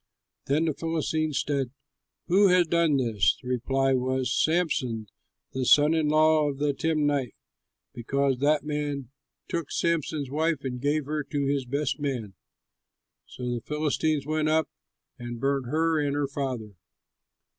Then the Philistines said, "Who has done this?" The reply was, "Samson, the son in law of the Timnite, because that man took Samson's wife and gave her to his best man." So the Philistines went up, and burnt her and her father.